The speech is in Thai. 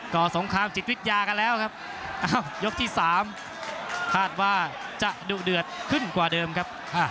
สงครามจิตวิทยากันแล้วครับยกที่๓คาดว่าจะดุเดือดขึ้นกว่าเดิมครับ